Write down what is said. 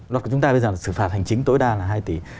loạt của chúng ta bây giờ là sử phạt hành chính tối đa là hai tỷ